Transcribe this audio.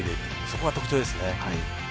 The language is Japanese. そこが特徴ですね。